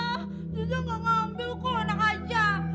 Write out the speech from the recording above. ajija enggak ngambil kok anak aja